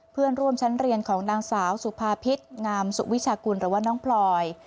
เพื่อนร่วมชั้นเรียนของนางสาวสุภาพิษงามสุวิชากุลหรือว่าน้องพลอย